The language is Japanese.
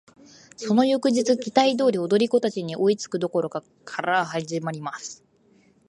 その翌日期待通り踊り子達に追いつく処から始まります。